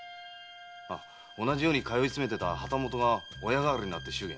あ同じように通い詰めてた旗本が親代わりになって祝言を。